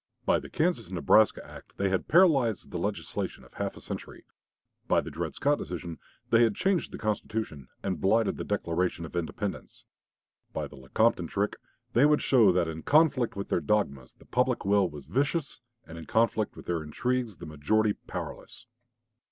By the Kansas Nebraska act they had paralyzed the legislation of half a century. By the Dred Scott decision they had changed the Constitution and blighted the Declaration of Independence. By the Lecompton trick they would show that in conflict with their dogmas the public will was vicious, and in conflict with their intrigues the majority powerless.